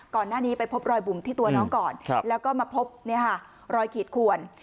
ก่อนหน้านี้ไปพบรอยบุ่มที่ตัวน้องก่อนแล้วก็มาพบรอยขีดขวน